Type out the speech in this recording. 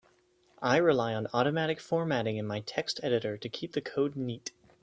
I rely on automatic formatting in my text editor to keep the code neat.